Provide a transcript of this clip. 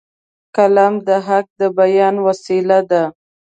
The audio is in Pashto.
قلم د حق د بیان وسیله ده